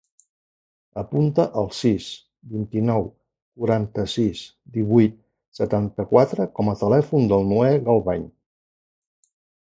Apunta el sis, vint-i-nou, quaranta-sis, divuit, setanta-quatre com a telèfon del Noè Galvañ.